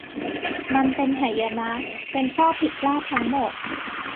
มันเป็นหายนะ เป็นข้อผิดพลาดทั้งหมด